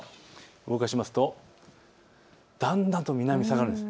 動かしますとだんだんと南へ下がるんです。